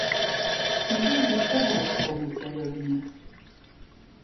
И ей легко было вспомнить о Левине.